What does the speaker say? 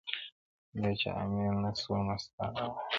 دا چي امیل نه سومه ستا د غاړي ,